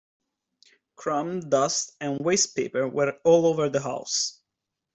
Crumbs, dust, and waste-paper were all over the house.